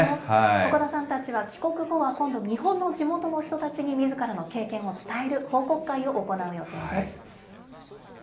古角さんたちは帰国後は今度、日本の地元の人たちに、みずからの経験を伝える報告会を行う予定です。